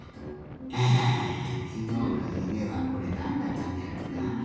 あきのうのゆめはこれなんだったんじゃろうなあ？